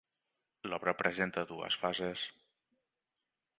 L'obra presenta dues fases.